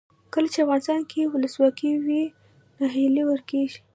کله چې افغانستان کې ولسواکي وي ناهیلي ورکیږي.